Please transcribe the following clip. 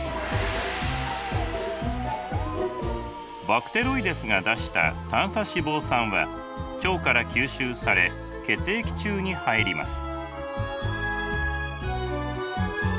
バクテロイデスが出した短鎖脂肪酸は腸から吸収され血液中に入ります。